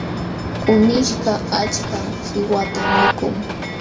Kunishkaq achka qiwatam mikun.